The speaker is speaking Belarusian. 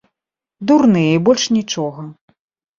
Дурныя, і больш нічога.